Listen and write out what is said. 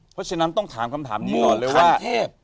เพราะฉะนั้นต้องถามคำถามนี้ก่อนเลยว่าเทพ